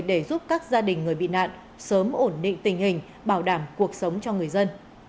để giúp các gia đình người bị nạn sớm ổn định tình hình bảo đảm cuộc sống cho người dân